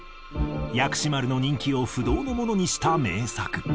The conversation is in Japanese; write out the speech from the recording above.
薬師丸の人気を不動のものにした名作。